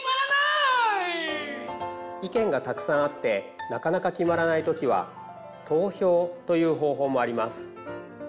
意見がたくさんあってなかなか決まらない時は投票という方法もあります。